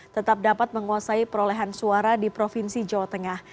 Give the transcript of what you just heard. tetap dapat menguasai perolehan suara di provinsi jawa tengah